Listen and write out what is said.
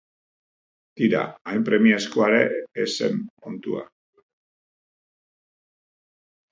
Tira, hain premiazkoa ere ez zen kontua.